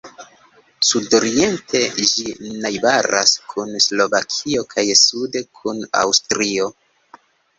Sudoriente ĝi najbaras kun Slovakio kaj sude kun Aŭstrio.